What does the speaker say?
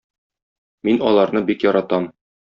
Мин аларны бик яратам.